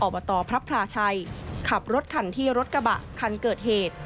อบตพระพลาชัยขับรถคันที่รถกระบะคันเกิดเหตุ